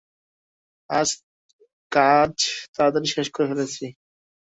আজ কাজ তাড়াতাড়ি শেষ করে ফেলেছি।